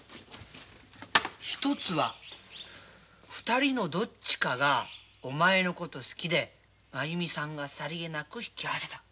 一つは２人のどっちかがお前のこと好きで真弓さんがさりげなく引き合わせた。